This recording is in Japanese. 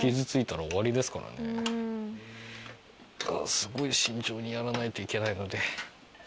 すごい慎重にやらないといけないので。